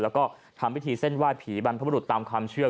แล้วก็ทำพิธีเส้นไหว้ผีบรรพบรุษตามความเชื่อ